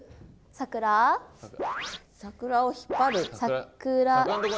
桜を引っ張る。